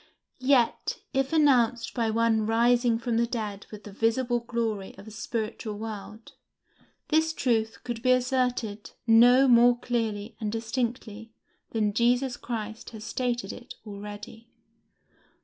Yet, if announced by one rising from the dead with the visible glory of a spiritual world, this truth could be asserted no more clearly and distinctly than Jesus Christ has stated it already.